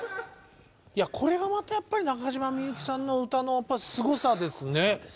これがまたやっぱり中島みゆきさんの歌のすごさですね。